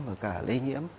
và cả lây nhiễm